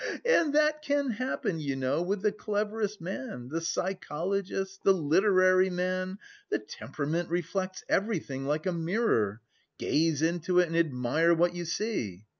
And that can happen, you know, with the cleverest man, the psychologist, the literary man. The temperament reflects everything like a mirror! Gaze into it and admire what you see!